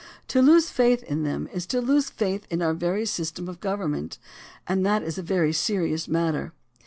To lose faith in them is to lose faith in our very system of government, and that is a very serious matter.